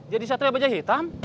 jadi satria bajaj hitam